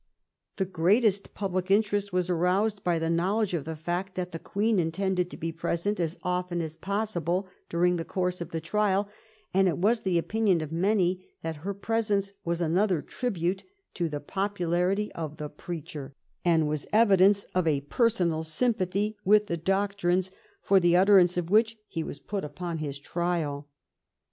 The greatest public interest was aroused by the knowledge of the fact that the Queen intended to be present as often as possible during the progress of the trial, and it was the opinion of many that her presence was another tribute to the popularity of the preacher, and was evidence of a personal sympathy with the doctrines for the utterance of which he was put upon his trial.